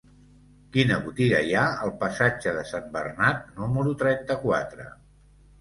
Quina botiga hi ha al passatge de Sant Bernat número trenta-quatre?